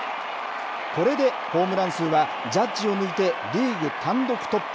これでホームラン数は、ジャッジを抜いてリーグ単独トップ。